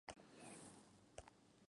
Hugo pasó varias vacaciones en Montreuil.